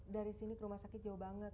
dari sini ke rumah sakit jauh banget